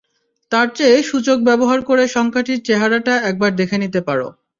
তার চেয়ে সূচক ব্যবহার করে সংখ্যাটির চেহারাটা একবার দেখে নিতে পারো।